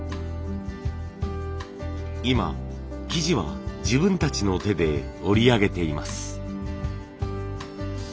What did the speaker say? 今生地は自分たちの手で織り上げています。